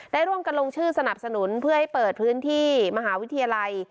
ได้ร่วมกันลงชื่อสนับสนุนเพื่อให้เปิดพื้นที่มหาวิทยาลัย